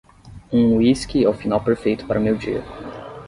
Um uísque é o final perfeito para o meu dia.